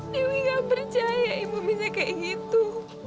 tapi gak percaya ibu bisa kayak gitu